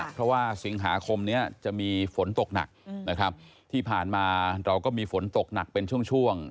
เพราะว่าสิงหาคมนี้จะมีฝนตกหนักนะครับที่ผ่านมาเราก็มีฝนตกหนักเป็นช่วงช่วง